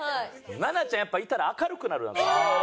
奈々ちゃんやっぱいたら明るくなるなと。